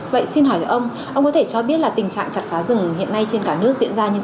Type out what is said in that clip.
vậy xin hỏi ông ông có thể cho biết là tình trạng chặt phá rừng hiện nay trên cả nước diễn ra như thế nào